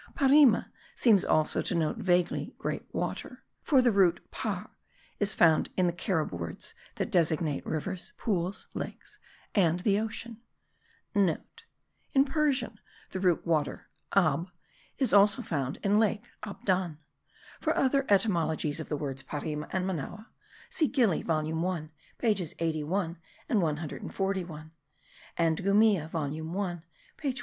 Parima seems also to denote vaguely great water; for the root par is found in the Carib words that designate rivers, pools, lakes, and the ocean.* (* In Persian the root water (ab) is found also in lake (abdan). For other etymologies of the words Parima and Manoa see Gili volume 1 pages 81 and 141; and Gumilla volume 1 page 403.)